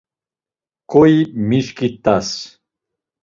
Ǩoi miçkit̆as.